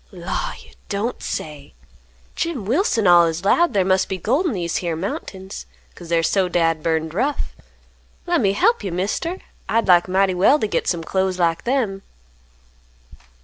"Law, you don't say! Jim Wilson allus 'lowed thar must be gold in these here mountains, 'cause they're so dad burned rough. Lemme hep you, Mister. I'd like mighty well t' git some clothes like them."